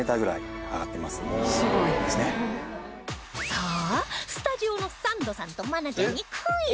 さあスタジオのサンドさんと愛菜ちゃんにクイズ